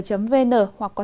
xin cảm ơn quý vị và các bạn